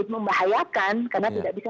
membahayakan karena tidak bisa